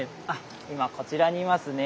今こちらにいますね。